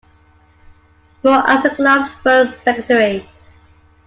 Moore as the Club's first Secretary.